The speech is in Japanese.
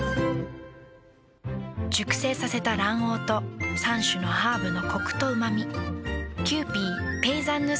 熟成させた卵黄と３種のハーブのコクとうま味。